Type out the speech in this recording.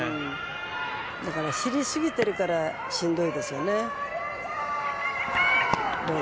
だから、知りすぎているからしんどいですよね。